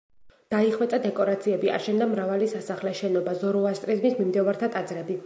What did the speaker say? დაიხვეწა დეკორაციები, აშენდა მრავალი სასახლე, შენობა, ზოროასტრიზმის მიმდევართა ტაძრები.